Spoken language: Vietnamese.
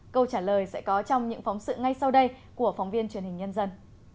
câu trả lời sẽ có trong những phóng sự ngay sau đây của phóng viên truyền hình nhân dân